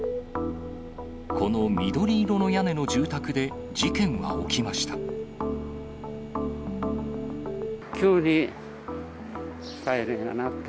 この緑色の屋根の住宅で事件は起きました。